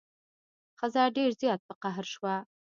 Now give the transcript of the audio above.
ښځه ډیر زیات په قهر شوه.